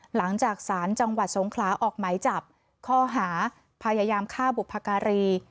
หลังจากสารจังหวัดสงขลาออกไหมจับข้อหาพยายามฆ่าบุพการี